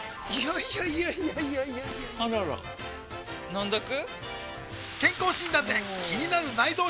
いやいやいやいやあらら飲んどく？